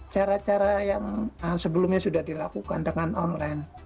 cara cara yang sebelumnya sudah dilakukan dengan online